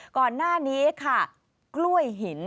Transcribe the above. ก่อนหน้านี้ค่ะกล้วยหิน